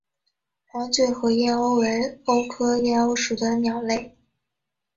黄嘴河燕鸥为鸥科燕鸥属的鸟类。